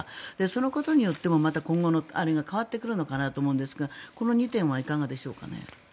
そのことによって、また今後が変わるのかなと思うんですがこの２点はいかがでしょうかね。